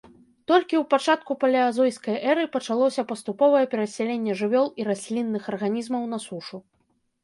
Толькі ў пачатку палеазойскай эры пачалося паступовае перасяленне жывёл і раслінных арганізмаў на сушу.